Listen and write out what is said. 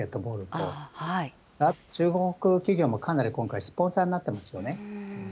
あと中国企業もかなり今回、スポンサーになってますよね。